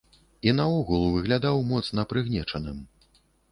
І наогул выглядаў моцна прыгнечаным.